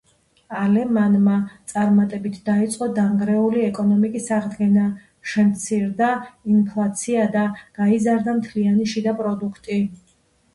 ალემანმა წარმატებით დაიწყო დანგრეული ეკონომიკის აღდგენა, შემცირდა ინფლაცია და გაიზარდა მთლიანი შიდა პროდუქტი.